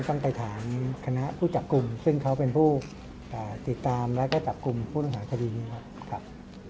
ต้องไปถามคณะผู้จับกลุ่มซึ่งเขาเป็นผู้ติดตามแล้วก็จับกลุ่มผู้ต้องหาคดีนี้ครับ